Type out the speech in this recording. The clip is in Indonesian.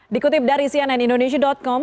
dikutip dari cnnindonesia com